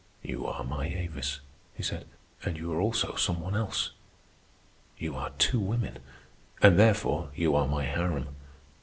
"You are my Avis," he said, "and you are also some one else. You are two women, and therefore you are my harem.